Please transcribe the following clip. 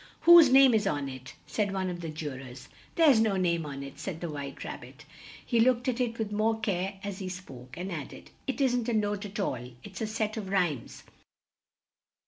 "Whose name is on it?" said one of the ju rors. "There's no name on it," said the White Rab bit; he looked at it with more care as he spoke, and add ed, "it isn't a note at all; it's a set of rhymes."